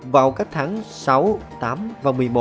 vào các tháng sáu tám và một mươi một